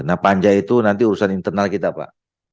nah panja itu nanti urusan internal kita pak